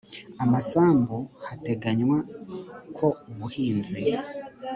amasambu hateganywa ko ubuhinzi